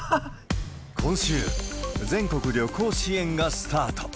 今週、全国旅行支援がスタート。